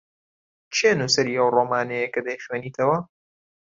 کێ نووسەری ئەو ڕۆمانەیە کە دەیخوێنیتەوە؟